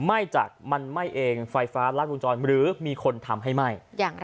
ไหม้จากมันไหม้เองไฟฟ้ารัดวงจรหรือมีคนทำให้ไหม้